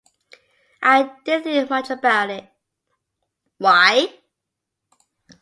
I didn’t think much about it.